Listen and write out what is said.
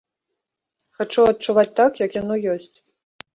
Хачу адчуваць так, як яно ёсць.